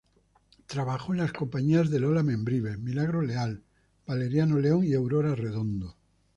Trabajó en las compañías de Lola Membrives, Milagros Leal, Valeriano León y Aurora Redondo.